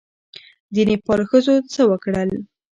د نېپال ښځو څه وکړل؟